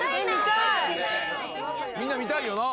みんな見たいよな？